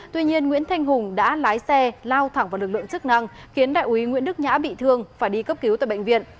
tuy nhiên nguyễn thanh hùng đã lái xe lao thẳng vào lực lượng chức năng khiến đại úy nguyễn đức nhã bị thương phải đi cấp cứu tại bệnh viện